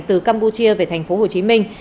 từ campuchia về thành phố hồ chí minh